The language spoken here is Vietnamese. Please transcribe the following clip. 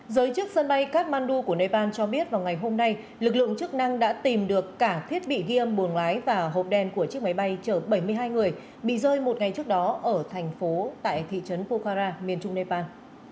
giới chức sân bay kathmandu của nepal cho biết vào ngày hôm nay lực lượng chức năng đã tìm được cả thiết bị ghi âm buồng lái và hộp đen của chiếc máy bay chở bảy mươi hai người bị rơi một ngày trước đó ở thành phố tại thị trấn pukhara miền trung nepal